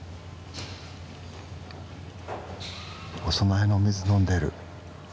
お供えのお水飲んでる。